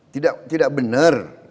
tidak tidak benar